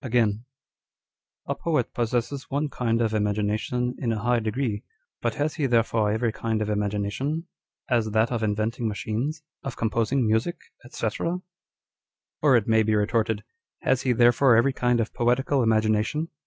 Again :" A poet possesses one kind of imagination in a high degree ; but has he therefore every kind cf imagination, as that of inventing machines, of composing music, &c. ?" l Or it may be retorted â€" Has he therefore every kind of poetical imagination?